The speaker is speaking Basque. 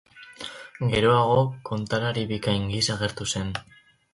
Geroago kontalari bikain gisa agertu zen.